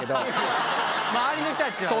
周りの人たちはね。